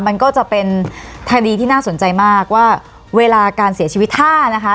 มันก็จะเป็นคดีที่น่าสนใจมากว่าเวลาการเสียชีวิตถ้านะคะ